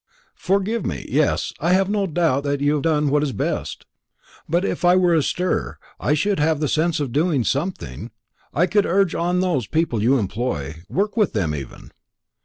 "Forgive me. Yes; I have no doubt you have done what is best. But if I were astir, I should have the sense of doing something. I could urge on those people you employ, work with them even."